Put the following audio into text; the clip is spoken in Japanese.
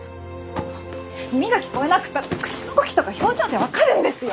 耳が聞こえなくったって口の動きとか表情で分かるんですよ！